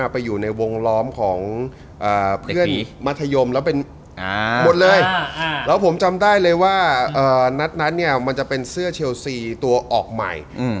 ผมจำได้เลยว่านัดนั้นมันจะเป็นเสื้อเชลซีตัวออกใหม่